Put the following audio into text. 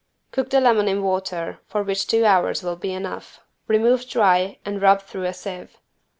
Cook the lemon in water, for which two hours will be enough. Remove dry and rub through a sieve.